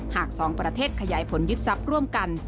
หาก๒ประเทศขยายผลยึดทรัพย์ร่วมกัน